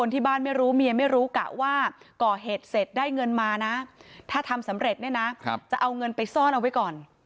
ถ้าทำสำเร็จจะเอาเงินไปซ่อนเอาไว้ก่อน